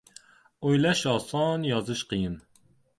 O‘ylash oson. Yozish qiyin.